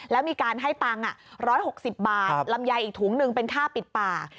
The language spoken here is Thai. แล้วมีการให้ตังค์๑๖๐บาทลำไยอีกถุงหนึ่งเป็นค่าปิดป่า